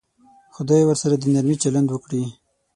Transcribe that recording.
خدای ورسره د نرمي چلند وکړي.